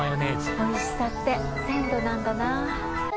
おいしさって鮮度なんだな。